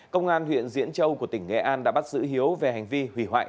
công an huyện diễn châu của tỉnh nghệ an đã bắt giữ hiếu về hành vi hủy hoại